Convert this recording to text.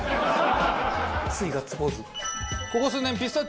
ついガッツポーズ。